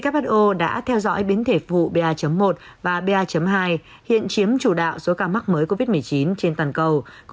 who đã theo dõi biến thể phụ ba một và ba hai hiện chiếm chủ đạo số ca mắc mới covid một mươi chín trên toàn cầu